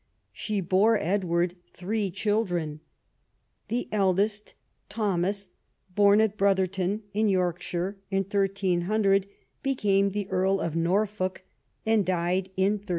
She bore Edward three children. The eldest, Thomas, born at Brothcrton in Yorkshire in 1300, became Earl of Norfolk, and died in 1338.